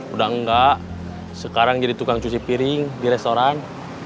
udah enggak sekarang jadi tukang cuci piring di restoran